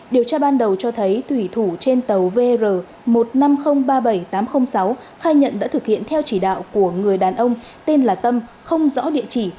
điều tra ban đầu cho thấy thủy thủ trên tàu vr một năm không ba bảy tám không sáu khai nhận đã thực hiện theo chỉ đạo của người đàn ông tên là tâm không rõ địa chỉ